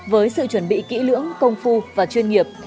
với sự chuẩn bị kỹ lưỡng công phu và chuyên nghiệp